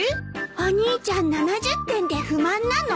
お兄ちゃん７０点で不満なの？